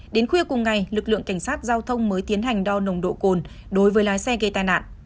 đến khuya cùng ngày lực lượng cảnh sát giao thông mới tiến hành đo nồng độ cồn đối với lái xe gây tai nạn